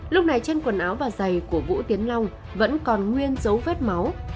lúc này chân quần áo và giày của vũ tiến lòng vẫn còn nguyên dấu vết máu